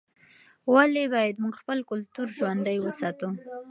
ولې باید موږ خپل کلتور ژوندی وساتو؟